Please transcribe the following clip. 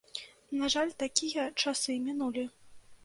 На жаль, такія часы мінулі.